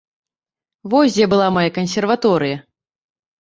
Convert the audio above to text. Вось дзе была мая кансерваторыя!